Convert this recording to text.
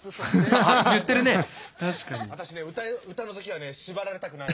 私ね歌の時はね縛られたくないの。